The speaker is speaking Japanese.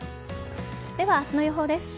では、明日の予報です。